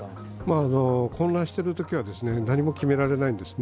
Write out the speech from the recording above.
混乱してるときは何も決められないんですね。